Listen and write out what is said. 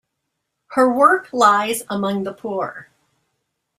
Her work lies among the poor.